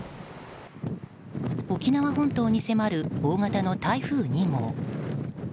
沖縄本島に迫る大型の台風２号。